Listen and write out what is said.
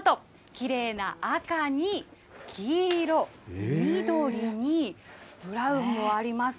きれいな赤に黄色、緑に、ブラウンもあります。